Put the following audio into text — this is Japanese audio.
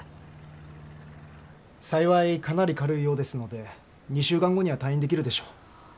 幸いかなり軽いようですので２週間後には退院できるでしょう。